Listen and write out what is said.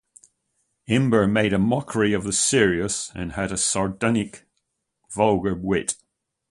Imber made a mockery of the serious and had a sardonic vulgar wit.